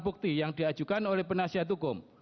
bukti yang diajukan oleh penasihat hukum